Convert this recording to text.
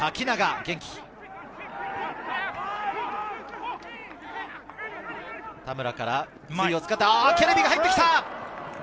田村からツイを使って、ケレビが入ってきた！